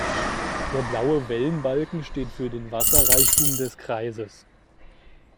Der blaue Wellenbalken steht für den Wasserreichtum des Kreises.